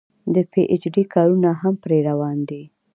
د پي ايچ ډي کارونه هم پرې روان دي